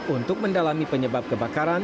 untuk mendalami penyebab kebakaran